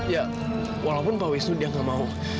ya walaupun pak wisnu dia nggak mau